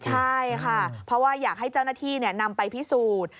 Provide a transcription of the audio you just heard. ใช่ค่ะเพราะว่าอยากให้เจ้าหน้าที่นำไปพิสูจน์